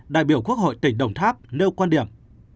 đại biểu quốc hội tỉnh đồng tháp nêu quan điểm